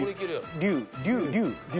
竜。